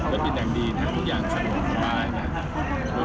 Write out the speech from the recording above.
ก็เป็นอย่างดีนะทุกอย่างสะดวกสบายนะครับ